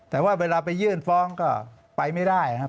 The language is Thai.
แต่ว่าเวลาไปยื่นฟ้องก็ไปไม่ได้ครับ